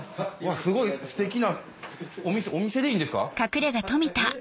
すごいステキなお店お店でいいんですか？